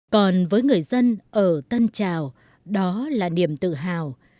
còn với người dân ở tân trào đó là niềm tự hào